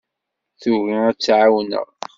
Tugi ad tt-ɛawneɣ.